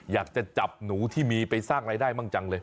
อยากจะจับหนูที่มีไปสร้างรายได้มั่งจังเลย